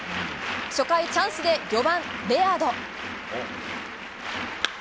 初回、チャンスで４番、レアード。